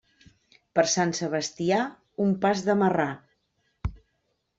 Per Sant Sebastià, un pas de marrà.